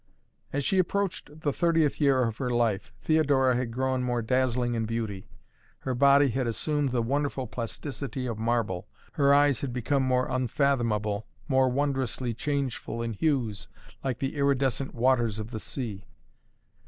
As she approached the thirtieth year of her life, Theodora had grown more dazzling in beauty. Her body had assumed the wonderful plasticity of marble. Her eyes had become more unfathomable, more wondrously changeful in hues, like the iridescent waters of the sea.